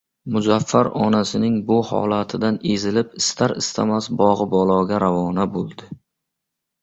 Muzaffar onasining bu holatidan ezilib, istar-istamas Bog‘ibologa ravona bo‘ldi.